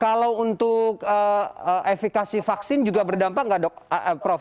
kalau untuk efikasi vaksin juga berdampak nggak prof